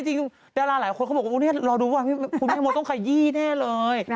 แต่ฐานละหลายคนพวกเขาบอกอู้นี่รอดูกว่าครูแม่มดต้องขยี้แน่เลย